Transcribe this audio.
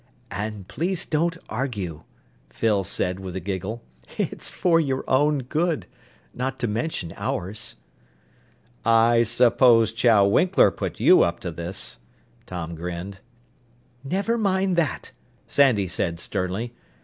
"And please don't argue," Phyl said with a giggle. "It's for your own good not to mention ours." "I suppose Chow Winkler put you up to this." Tom grinned. "Never mind that," Sandy said sternly.